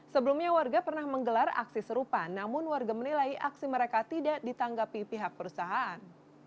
sebelumnya warga pernah menggelar aksi serupa namun warga menilai aksi mereka tidak ditanggapi pihak perusahaan